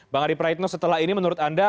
bang arief rayetno setelah ini menurut anda